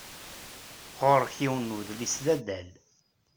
Ɣur-k yiwen n wedlis d adal.